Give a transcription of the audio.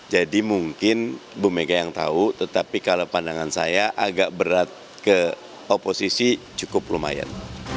jadi mungkin bumega yang tahu tetapi kalau pandangan saya agak berat ke oposisi cukup lumayan